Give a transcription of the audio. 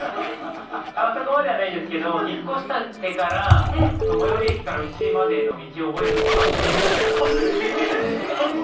そこまではないですけど、引っ越してから最寄り駅から家までの道を覚えるのに半年くらいかかりました。